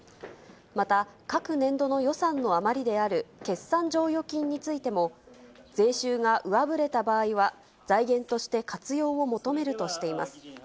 また各年度の予算の余りである決算剰余金についても、税収が上振れた場合は、財源として活用を求めるとしています。